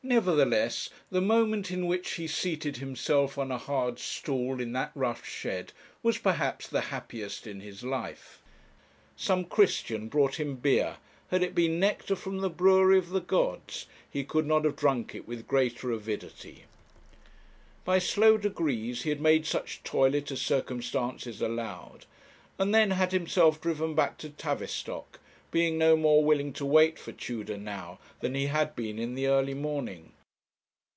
Nevertheless, the moment in which he seated himself on a hard stool in that rough shed was perhaps the happiest in his life; some Christian brought him beer; had it been nectar from the brewery of the gods, he could not have drunk it with greater avidity. By slow degrees he made such toilet as circumstances allowed, and then had himself driven back to Tavistock, being no more willing to wait for Tudor now than he had been in the early morning.